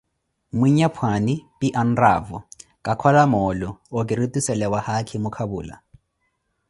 Mwinyapwaani phi anraavo ka kola moolu, okirutiisele wa haakhimo kapula.